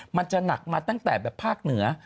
มันจะหนักมาตั้งแต่แบบภาคเหนือ